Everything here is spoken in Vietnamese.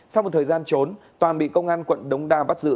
sau một thời gian trốn toàn bị công an quận đống đa bắt giữ